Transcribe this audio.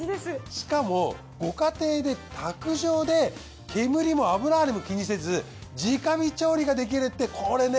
しかもご家庭で卓上で煙も油ハネも気にせず直火調理ができるってこれね